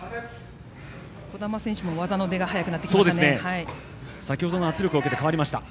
児玉選手も技の出が早くなってきましたね。